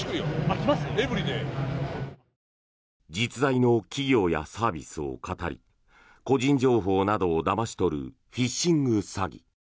実在の企業やサービスをかたり個人情報などをだまし取るフィッシング詐欺。